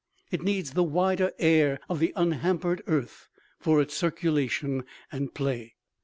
It needs the wider air of the unhampered earth for its circulation and play.